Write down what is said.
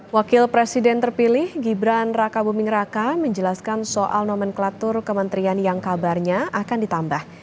wakil presiden terpilih gibran raka buming raka menjelaskan soal nomenklatur kementerian yang kabarnya akan ditambah